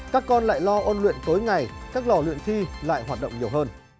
các con lại lo ôn luyện tối ngày các lò luyện thi lại hoạt động nhiều hơn